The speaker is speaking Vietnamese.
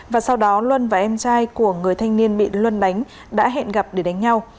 và sau đó luân và em trai của người thanh niên bị luân đánh đã hẹn gặp để đánh nhau